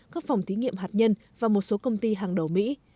các phòng thí nghiệm hạt nhân và một số công ty hàng đầu mỹ